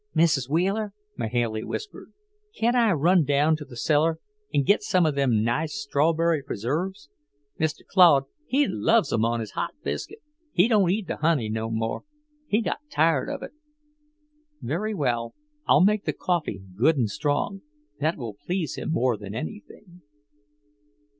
"Mrs. Wheeler," Mahailey whispered, "can't I run down to the cellar an' git some of them nice strawberry preserves? Mr. Claude, he loves 'em on his hot biscuit. He don't eat the honey no more; he's got tired of it." "Very well. I'll make the coffee good and strong; that will please him more than anything."